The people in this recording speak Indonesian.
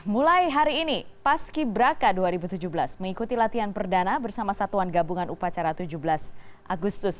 mulai hari ini paski braka dua ribu tujuh belas mengikuti latihan perdana bersama satuan gabungan upacara tujuh belas agustus